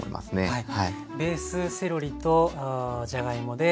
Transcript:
はい。